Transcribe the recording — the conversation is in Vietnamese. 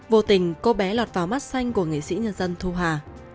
vô tình cô bé lọt vào mắt xanh của nghệ sĩ nhân dân thu hà